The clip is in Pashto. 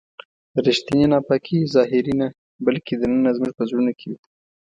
ریښتینې ناپاکي ظاهري نه بلکې دننه زموږ په زړونو کې وي.